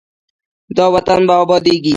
دا وطن به ابادیږي.